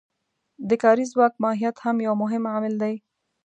د کاري ځواک ماهیت هم یو مهم عامل دی